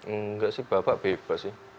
enggak sih bapak bebas ya